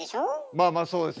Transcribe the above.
まあまあそうです